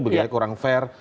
begitu kurang fair